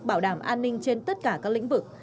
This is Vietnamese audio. bảo đảm an ninh trên tất cả các lĩnh vực